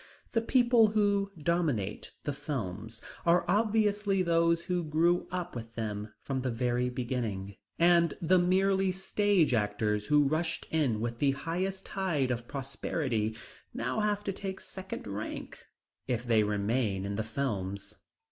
The people who dominate the films are obviously those who grew up with them from the very beginning, and the merely stage actors who rushed in with the highest tide of prosperity now have to take second rank if they remain in the films.